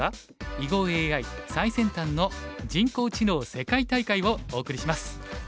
囲碁ＡＩ最先端の人工知能世界大会」をお送りします。